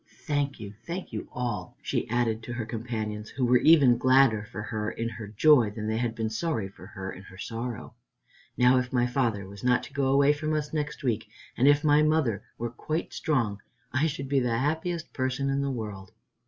Thank you, thank you all," she added to her companions, who were even gladder for her in her joy than they had been sorry for her in her sorrow. "Now, if my father was not to go away from us next week, and if my mother were quite strong, I should be the happiest person in the world."